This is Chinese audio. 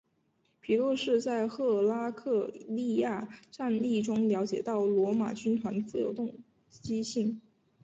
皮洛士在赫拉克利亚战役中了解到罗马军团富有机动性。